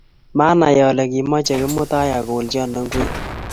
Manai ale kimoche Kimutai akolchi ano ngwek